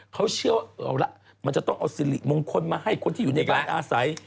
เขาเชื่อว่าเอาละมันจะต้องเอาสิริมงคลมาให้คนที่อยู่ในการอาศัย